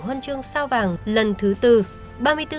hoan chương sao vàng lần thứ tư